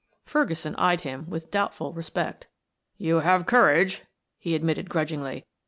Ferguson eyed him with doubtful respect. "You have courage," he admitted grudgingly.